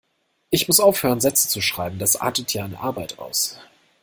Ich muss aufhören Sätze zu schreiben, das artet ja in Arbeit aus.